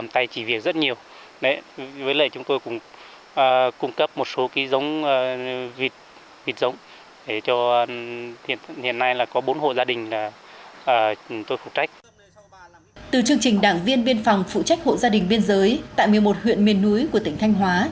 từ chương trình đảng viên biên phòng phụ trách hộ gia đình biên giới tại một mươi một huyện miền núi của tỉnh thanh hóa